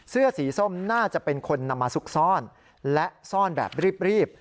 เสื้อสีส้มน่าจะเป็นคนนำมาซุกซ่อนและซ่อนแบบรีบ